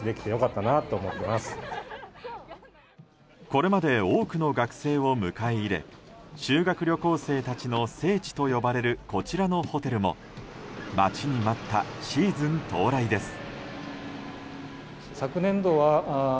これまで多くの学生を迎え入れ修学旅行生たちの聖地と呼ばれるこちらのホテルも待ちに待ったシーズン到来です。